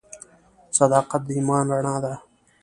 • صداقت د ایمان رڼا ده.